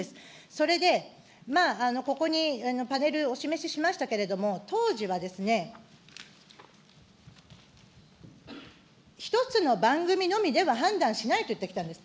それで、ここにパネル、お示ししましたけれども、当時はですね、１つの番組のみでは判断しないと言ってきたんです。